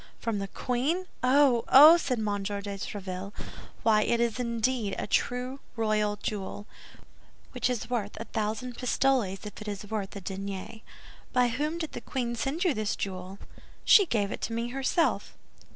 "From the queen! Oh, oh!" said M. de Tréville. "Why, it is indeed a true royal jewel, which is worth a thousand pistoles if it is worth a denier. By whom did the queen send you this jewel?" "She gave it to me herself."